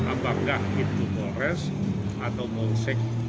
apakah itu polres atau polsek